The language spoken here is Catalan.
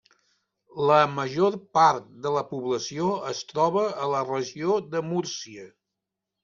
La major part de la població es troba a la Regió de Múrcia.